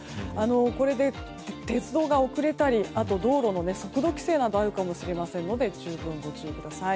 これで鉄道が遅れたりあと道路の速度規制もあるかもしれないので十分ご注意ください。